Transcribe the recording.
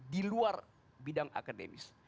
di luar bidang akademis